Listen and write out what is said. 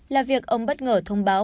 là việc ông bất ngờ thông báo